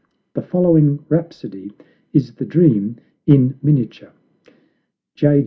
The follow ing rhapsody is the dream in miniature. J.